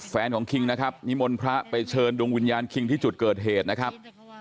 แฟนของคิงนะครับนิมนต์พระไปเชิญดวงวิญญาณคิงที่จุดเกิดเหตุนะครับ